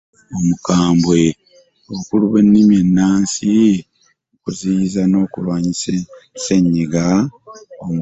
Obukulu bw'ennimi ennansi mu kuziyiza n'okulwanyisa ssennyiga omukambwe.